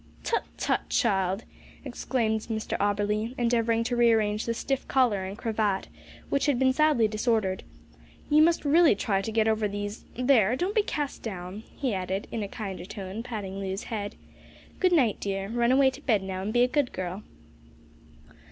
"Tut, tut, child!" exclaimed Mr Auberly, endeavouring to re arrange the stiff collar and cravat, which had been sadly disordered; "you must really try to get over these there, don't be cast down," he added, in a kinder tone, patting Loo's head. "Good night, dear; run away to bed now, and be a good girl."